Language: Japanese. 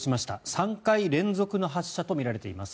３回連続の発射とみられています。